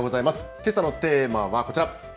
けさのテーマはこちら。